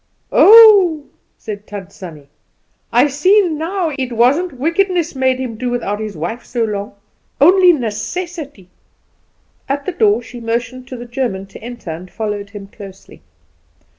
"Oh," said Tant Sannie, "I see now it wasn't wickedness made him do without his wife so long only necessity." At the door she motioned to the German to enter, and followed him closely.